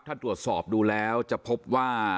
ถ้าตรวจสอบดูแล้วจะพบว่า